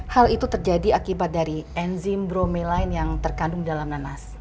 hal itu terjadi akibat dari enzim bromeline yang terkandung dalam nanas